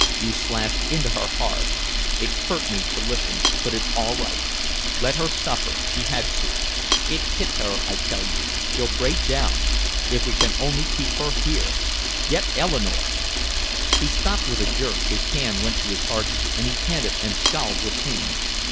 "You slashed into her hard. It hurt me to listen but it's all right. Let her suffer she had to. It hit her, I tell you she'll break down! If we can only keep her here! Get Eleanore!" He stopped with a jerk, his hand went to his heart, and he panted and scowled with pain.